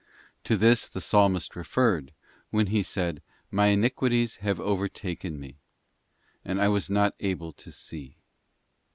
To this the Psalmist referred when he said, 'My iniquities have overtaken me, and I was not able to see.